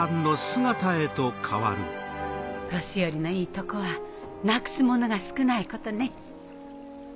年寄りのいいとこはなくすものが少ないことね。